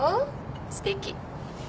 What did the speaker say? すてき。